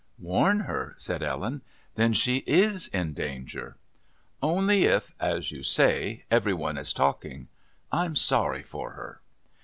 "Warn her?" said Ellen. "Then she is in danger." "Only if, as you say, every one is talking. I'm sorry for her."